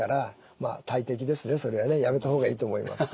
まあ大敵ですねそれはね。やめた方がいいと思います。